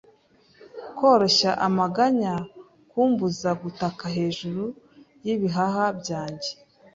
koroshya amaganya, kumbuza gutaka hejuru y'ibihaha byanjye